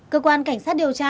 cơ quan cảnh sát điều tra